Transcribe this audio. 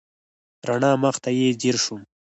راڼه مخ ته یې ځېر شوم.